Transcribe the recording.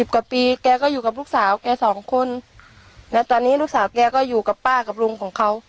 กว่าปีแกก็อยู่กับลูกสาวแกสองคนแล้วตอนนี้ลูกสาวแกก็อยู่กับป้ากับลุงของเขา